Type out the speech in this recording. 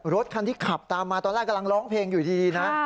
รถคันที่ขับตามมาตอนแรกกำลังร้องเพลงอยู่ดีนะ